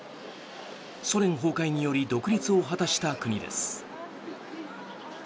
ソ連崩壊により独立を果たした国です。